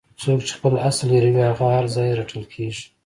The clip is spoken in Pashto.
څوک چې خپل اصل هیروي هغه هر ځای رټل کیږي.